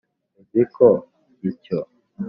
uzi ko icyo